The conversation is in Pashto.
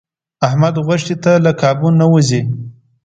احمد غوښې ته له کابو نه و ځي.